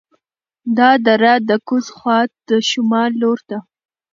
دا دره د کوز خوات د شمال لور ته